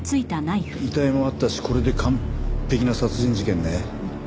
遺体もあったしこれで完璧な殺人事件ね。